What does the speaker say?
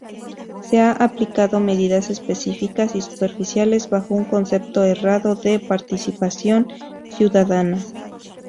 Se ha aplicado medidas específicas y superficiales, bajo un concepto errado de participación ciudadana.